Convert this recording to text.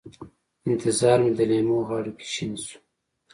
انتظار مې د لېمو غاړو کې شین شو